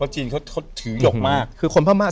จีนเขาถือยกมาก